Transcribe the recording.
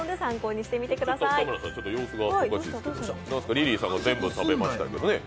リリーさんが全部食べましたけどね。